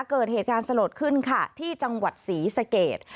เกิดเหตุการณ์สลดขึ้นค่ะที่จังหวัดศรีสเกต